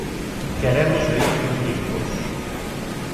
Queremos vehículos limpos.